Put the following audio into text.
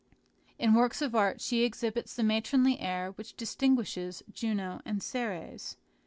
In works of art she exhibits the matronly air which distinguishes Juno and Ceres.